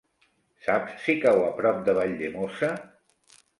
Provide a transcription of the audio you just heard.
Saps si cau a prop de Valldemossa?